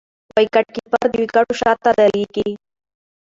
وکيټ کیپر د وکيټو شاته درېږي.